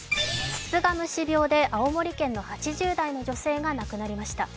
つつが虫病で青森県の８０代の女性が亡くなりました。